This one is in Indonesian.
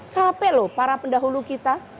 capek loh para pendahulu kita